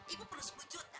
ibu perlu sepuluh juta